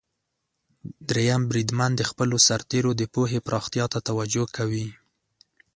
دریم بریدمن د خپلو سرتیرو د پوهې پراختیا ته توجه کوي.